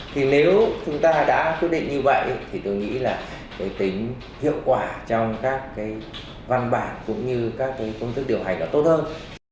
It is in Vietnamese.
thì nếu chúng ta đã quyết định như vậy thì tôi nghĩ là cái tính hiệu quả trong các cái văn bản cũng như các công thức điều hành nó tốt hơn